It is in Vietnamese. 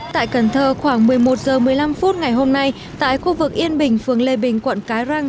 tại cần thơ khoảng một mươi một h một mươi năm phút ngày hôm nay tại khu vực yên bình phường lê bình quận cái răng